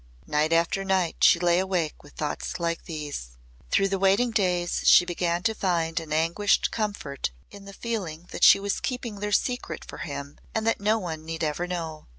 Night after night she lay awake with thoughts like these. Through the waiting days she began to find an anguished comfort in the feeling that she was keeping their secret for him and that no one need ever know.